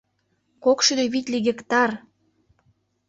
Кок шӱдӧ витле гектар!..